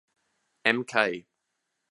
Mk.